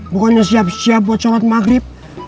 pokoknya siap siap buat sholat maghrib